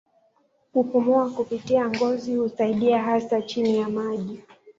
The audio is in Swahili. Kupumua kupitia ngozi husaidia hasa chini ya maji.